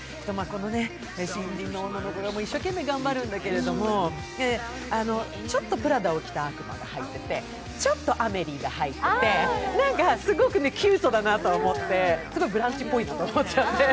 この新人の女の子が一生懸命頑張るんだけれども、ちょっと「プラダを着た悪魔」が入っててちょっと「アメリ」が入ってて、何かすごくキュートだなと思ってすごく「ブランチ」っぽいなと思っちゃって。